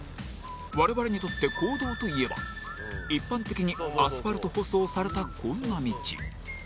我々にとって公道といえば一般的にアスファルト舗装されたこんな道。